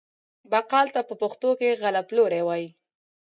بقال ته په پښتو کې غله پلوری وايي.